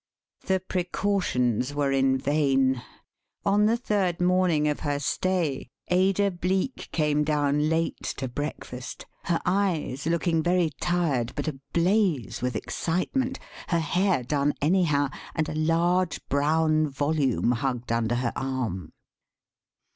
The precautions were in vain. On the third morning of her stay Ada Bleek came down late to breakfast, her eyes looking very tired, but ablaze with excitement, her hair done anyhow, and a large brown volume hugged under her arm.